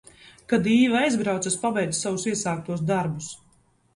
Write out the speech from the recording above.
Kad Īve aizbrauca, es pabeidzu savus iesāktos darbus.